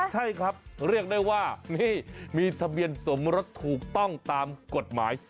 ใช่ครับเรียกได้ว่านี่มีทะเบียนสมรสถูกต้องตามกฎหมาย